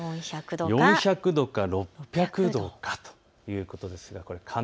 ４００度か６００度かということですけれど。